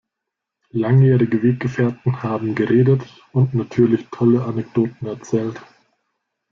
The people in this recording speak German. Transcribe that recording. Langjährige Weggefährten haben geredet und natürlich tolle Anekdoten erzählt.